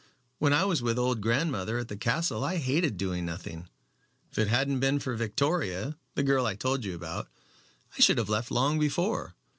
When I was with old grandmother at the castle I hated doing nothing. If it hadn't been for Victoria the girl I told you about I should have left long before.